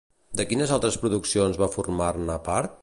De quines altres produccions va formar-ne part?